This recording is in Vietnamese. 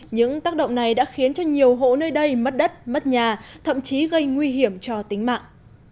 những tác động này đã khiến cho nhiều hộ nơi đây mất đất mất nhà thậm chí gây nguy hiểm cho tính mạng